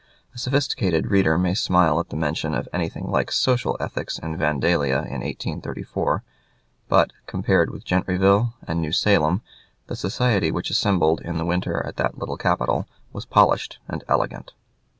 A sophisticated reader may smile at the mention of anything like social ethics in Vandalia in 1834; but, compared with Gentryville and New Salem, the society which assembled in the winter at that little capital was polished and elegant.